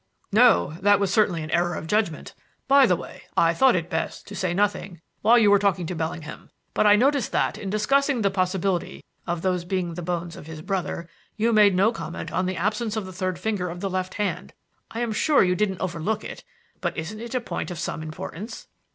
"No. That was certainly an error of judgment. By the way, I thought it best to say nothing while you were talking to Bellingham, but I noticed that, in discussing the possibility of those being the bones of his brother, you made no comment on the absence of the third finger of the left hand. I am sure you didn't overlook it, but isn't it a point of some importance?"